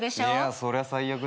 そりゃ最悪だよ。